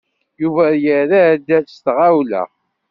Yuba yerra-d s tɣawla.